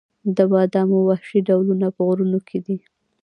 د بادامو وحشي ډولونه په غرونو کې دي؟